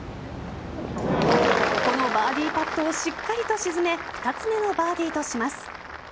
このバーディーパットをしっかりと沈め２つ目のバーディーとします。